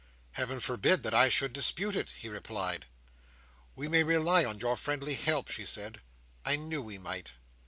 "Heaven forbid that I should dispute it!" he replied. "We may rely on your friendly help?" she said. "I knew we might!"